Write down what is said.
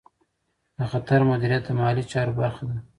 د خطر مدیریت د مالي چارو برخه ده.